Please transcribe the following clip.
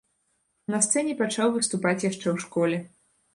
На сцэне пачаў выступаць яшчэ ў школе.